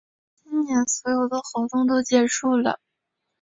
今年所有的活动都结束啦